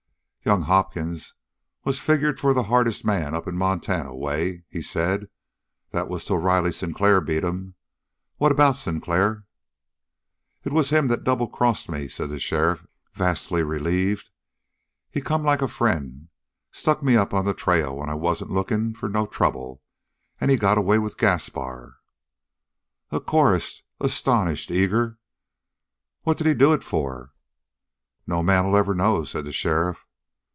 "Young Hopkins was figured for the hardest man up in Montana way," he said. "That was till Riley Sinclair beat him. What about Sinclair?" "It was him that double crossed me," said the sheriff, vastly relieved. "He come like a friend, stuck me up on the trail when I wasn't lookin' for no trouble, and he got away with Gaspar." A chorus, astonished, eager. "What did he do it for?" "No man'll ever know," said the sheriff.